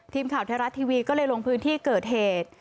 ทีมข่าวไทยรัฐทีวีก็เลยลงพื้นที่เกิดเหตุ